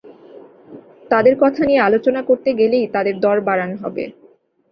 তাদের কথা নিয়ে আলোচনা করতে গেলেই তাদের দর বাড়ান হবে।